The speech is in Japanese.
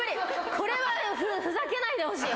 これはふざけないでほしい。